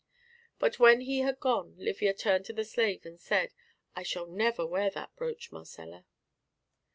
But when he had gone Livia turned to the slave and said, "I shall never wear that brooch, Marcella."